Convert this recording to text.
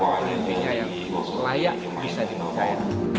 untuk siapa yang layak bisa dimulai